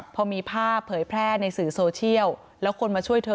พอมีภาพเผยแพร่ในสื่อโซเชียลแล้วคนมาช่วยเธอ